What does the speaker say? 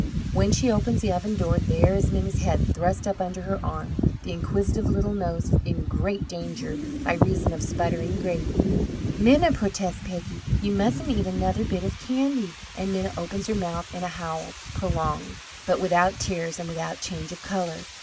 When she opens the oven door, there is Minna's head thrust up under her arm, the inquisitive little nose in great danger by reason of sputtering gravy. "Minna," protests Peggy, "you mustn't eat another bit of candy!" and Minna opens her mouth in a howl, prolonged, but without tears and without change of colour.